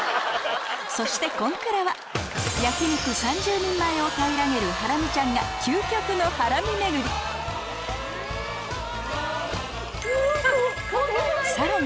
そして『今くら』は焼き肉３０人前を平らげるハラミちゃんが究極のハラミ巡りさらに